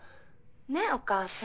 ねっお母さん。